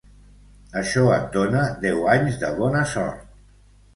Això et dona deu anys de bona sort.